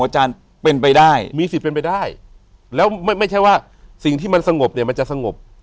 ใช่แล้วไม่ใช่ว่าสิ่งที่มันสงบมันจะสงบ